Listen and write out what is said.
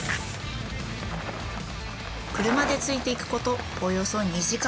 車でついていくことおよそ２時間。